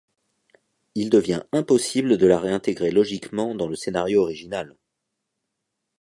Il devient impossible de la réintégrer logiquement dans le scénario original.